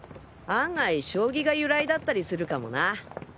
案外将棋が由来だったりするかもな。